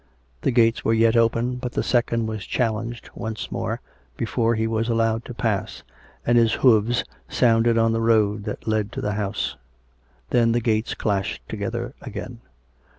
The gates were yet open; but the second was challenged once more before he was allowed to pass and his hoofs sounded on the road that led to the house. Then the gates clashed together again.